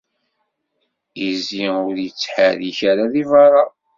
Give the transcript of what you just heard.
Izi ur yettḥerrik ara di berra.